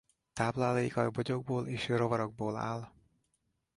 Tápláléka bogyókból és rovarokból áll.